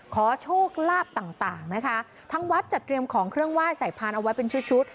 ขอโชคลาภต่างต่างนะคะทั้งวัดจัดเตรียมของเครื่องไหว้ใส่พานเอาไว้เป็นชุดชุด